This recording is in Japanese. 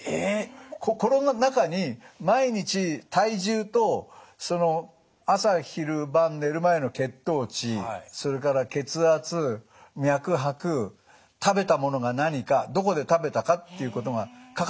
この中に毎日体重と朝昼晩寝る前の血糖値それから血圧脈拍食べたものが何かどこで食べたかということが書かれる。